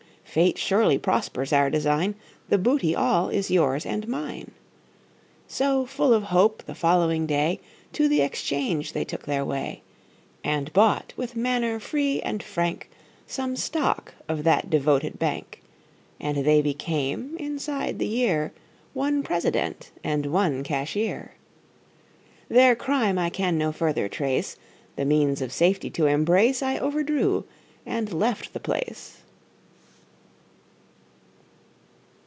Fate surely prospers our design The booty all is yours and mine." So, full of hope, the following day To the exchange they took their way And bought, with manner free and frank, Some stock of that devoted bank; And they became, inside the year, One President and one Cashier. Their crime I can no further trace The means of safety to embrace, I overdrew and left the place.